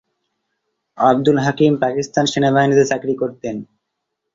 আবদুল হাকিম পাকিস্তান সেনাবাহিনীতে চাকরি করতেন।